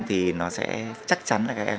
thì nó sẽ chắc chắn là các em